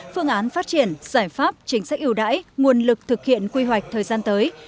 phương án phát triển giải pháp chính sách ưu đãi nguồn lực thực hiện quy hoạch thời gian tới